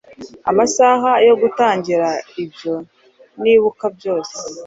Amasaha yo gutangira ibyo nibuka byose